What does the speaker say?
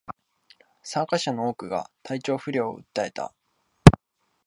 参加者の多くが体調不良を訴えた